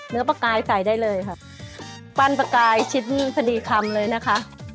เนื้อปลากายใส่ได้เลยค่ะปั้นประกายชิ้นพอดีคำเลยนะคะ